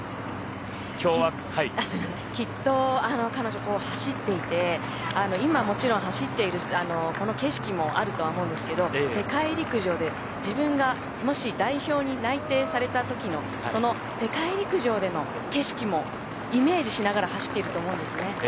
きっと彼女、走っていて今、もちろん走っているこの景色もあるとは思うんですけど世界陸上で自分がもし代表に内定された時のその世界陸上での景色もイメージしながら走っていると思うんですね。